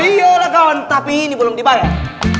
iya lah kawan tapi ini belum dibayar